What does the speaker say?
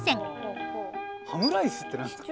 ハムライスって何ですか？